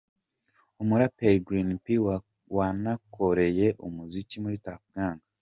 Umuraperi Green P wanakoreye umuziki muri Tuff Gang.